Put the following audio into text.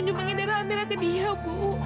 nyumbangin darah amirah ke dia bu